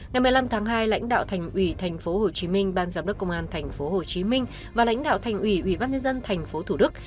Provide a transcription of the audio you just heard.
ngày một mươi năm tháng hai lãnh đạo thành ủy tp hcm ban giám đốc công an tp hcm và lãnh đạo thành ủy ubnd tp thủ đức